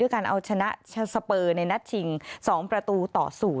การเอาชนะสเปอร์ในนัดชิง๒ประตูต่อ๐